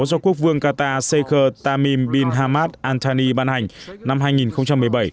do quốc vương qatar sheikh tamim bin hamad al thani ban hành năm hai nghìn một mươi bảy